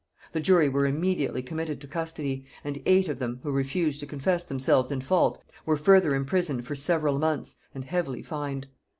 The jury were immediately committed to custody, and eight of them, who refused to confess themselves in fault, were further imprisoned for several months and heavily fined.